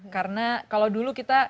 karena kalau dulu kita